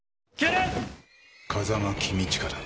風間公親だ。